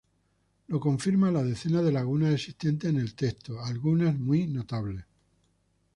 Lo confirma la decena de lagunas existentes en el texto, algunas muy notables.